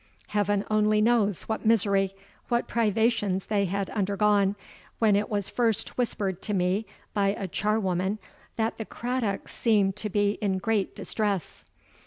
Heaven only knows what misery—what privations they had undergone, when it was first whispered to me by a char woman that the Craddocks seemed to be in great distress.